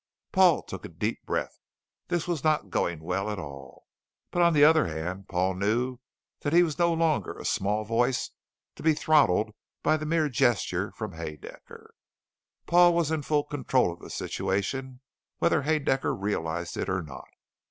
Paul took a deep breath. This was not going well at all. But on the other hand, Paul knew that he was no longer a small voice, to be throttled by the mere gesture from Haedaecker. Paul was in full control of the situation whether Haedaecker realized it or not.